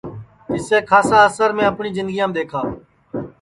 اِسے کھاسا اسر میں اپٹؔی جِندگیام دؔیکھا